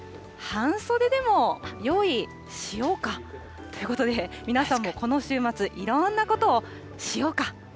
半袖でも用意しようか、ということで、皆さんもこの週末、いろんなことをしようか。